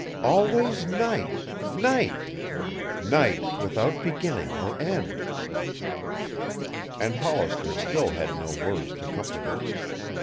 Always night night night without beginning or end." And Hollister still had no words to comfort her.